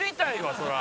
そりゃ」